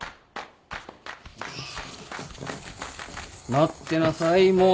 待ってなさい妹よ。